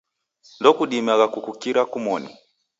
Ndekudimagha kukukira kumoni.